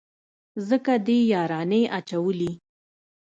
ځکه دې يارانې اچولي.